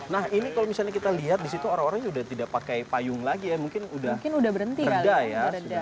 nah ini kalau misalnya kita lihat di situ orang orang sudah tidak pakai payung lagi ya mungkin udah reda ya